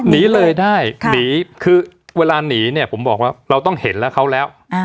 หนีเลยได้หนีคือเวลาหนีเนี่ยผมบอกว่าเราต้องเห็นแล้วเขาแล้ว